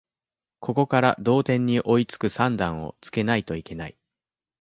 ここから同点に追いつく算段をつけないといけない